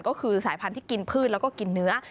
ก็คือสายพันธุ์ที่กินพืชแล้วก็กินเนื้อ